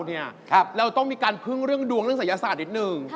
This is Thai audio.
เราต้องมีการพึ่งเรื่องดวงเรื่องศัยศาสตร์นิดนึง